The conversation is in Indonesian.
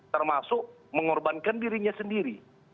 termasuk mengorbankan dirinya sendiri